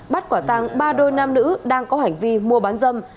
bắt quả tàng ba đôi nam nữ đang có hành vi mua bán dâm